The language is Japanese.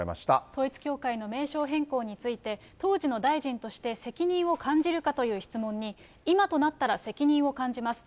統一教会の名称変更について、当時の大臣として説明を感じるかという質問に、今となったら責任を感じます。